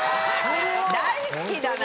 大好きだな。